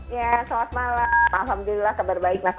ya selamat malam alhamdulillah kabar baik mas